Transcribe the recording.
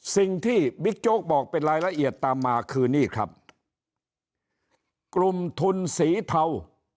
สิ่งที่บิ๊กโจ๊กบอกเป็นรายละเอียดตามมาคือนี่ครับกลุ่มทุนสีเทา